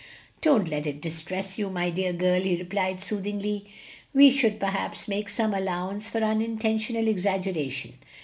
"Don't let it distress you, my dear girl," he replied soothingly; "we should perhaps make some allowance for unintentional exaggeration.